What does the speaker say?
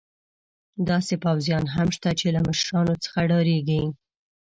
داسې پوځیان هم شته چې له مشرانو څخه ډارېږي.